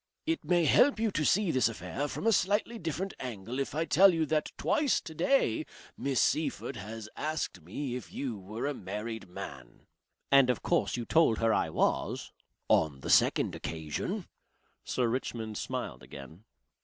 "It may help you to see this affair from a slightly different angle if I tell you that twice today Miss Seyffert has asked me if you were a married man." "And of course you told her I was." "On the second occasion." Sir Richmond smiled again.